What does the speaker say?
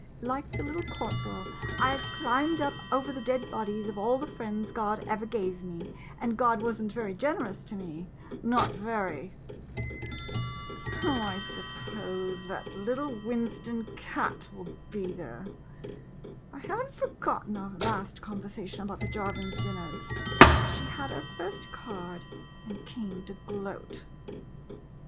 Like the Little Corporal, I Ve climbed up over the dead bodies of all the friends God ever gave me, and God was n't very generous to me — not very ! {Quick vicious smile.'] I suppose that little Winston cat will be there. I have n't forgotten our last conver sation about the Jarvin dinners — she had her first card, and came to gloat.